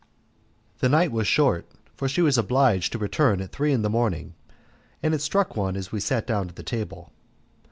The night was short, for she was obliged to return at three in the morning, and it struck one as we sat down to table.